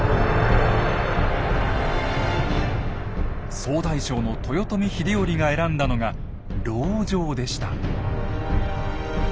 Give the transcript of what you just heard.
総大将の豊臣秀頼が選んだのが籠城でした。